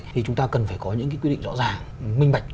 thì chúng ta cần phải có những cái quy định rõ ràng minh bạch